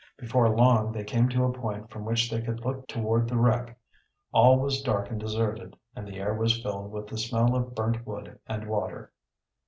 Before long they came to a point from which they could look toward the wreck. All was dark and deserted and the air was filled with the smell of burnt wood and water.